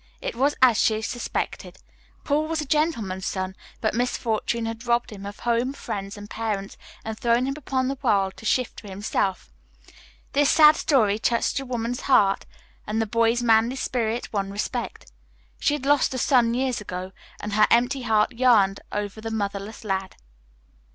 It was as she suspected: Paul was a gentleman's son, but misfortune had robbed him of home, friends, and parents, and thrown him upon the world to shift for himself. This sad story touched the woman's heart, and the boy's manly spirit won respect. She had lost a son years ago, and her empty heart yearned over the motherless lad.